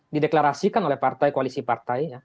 dideklarasikan oleh partai koalisi partainya